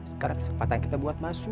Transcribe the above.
sekarang kesempatan kita buat masuk